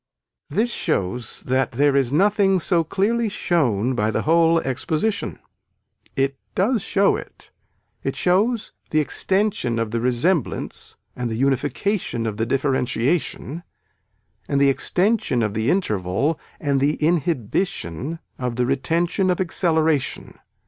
This shows that there is nothing so clearly shown by the whole exposition. It does show it, it shows the extension of the resemblance and the unification of the differentiation and the extension of the interval and the inhibition of the retention of acceleration.